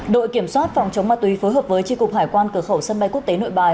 đội kiểm soát phòng chống ma túy phối hợp với tri cục hải quan cửa khẩu sân bay quốc tế nội bài